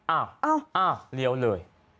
อ้าวอ้าวเลี้ยวเลย